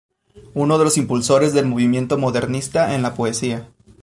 Uno de los impulsores del movimiento modernista en la poesía.